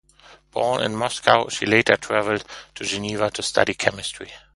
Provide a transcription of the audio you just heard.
Born in Moscow, she later traveled to Geneva to study chemistry.